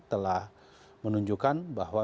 telah menunjukkan bahwa